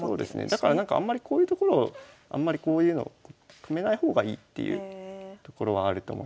だからなんかあんまりこういうところをあんまりこういうのを止めない方がいいっていうところはあると思いますね。